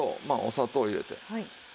まあお砂糖入れて。